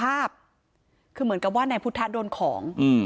ด้านสุขภาพคือเหมือนกับว่านายพุทธะโดนของอืม